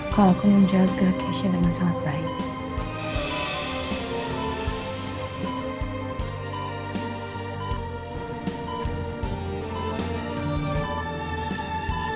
kalau aku menjaga keisha dengan sangat baik